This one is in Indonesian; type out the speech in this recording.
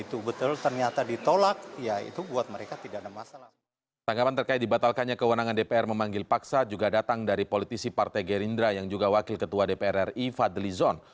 tanggapan terkait dibatalkannya kewenangan dpr memanggil paksa juga datang dari politisi partai gerindra yang juga wakil ketua dpr ri fadli zon